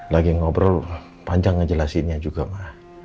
lagi ngobrol panjang ngejelasinnya juga mah